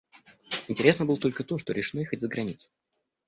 Интересно было только то, что решено ехать за границу.